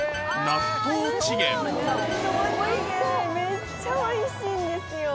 めっちゃ美味しいんですよ